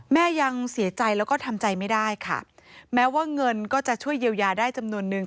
แม่ยังเสียใจแล้วก็ทำใจไม่ได้ค่ะแม้ว่าเงินก็จะช่วยเยียวยาได้จำนวนนึง